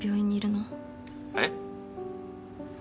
えっ？